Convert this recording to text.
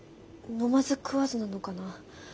飲まず食わずなのかな？